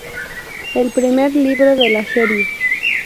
El primer libro de la serie.